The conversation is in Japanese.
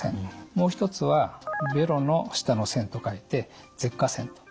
もう一つはベロの下の腺と書いて舌下腺と。